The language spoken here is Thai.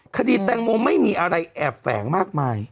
คดีแตงโมไม่มีอะไรแอบแฝงมากมาย